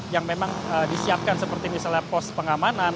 yang memang disiapkan seperti misalnya pos pengamanan